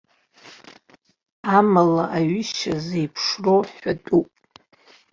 Амала аҩышьа зеиԥшроу ҳәатәуп.